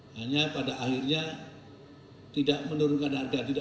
hanya pada akhirnya tidak menurunkan harga